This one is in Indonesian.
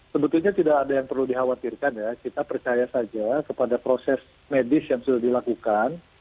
sebetulnya tidak ada yang perlu dikhawatirkan ya kita percaya saja kepada proses medis yang sudah dilakukan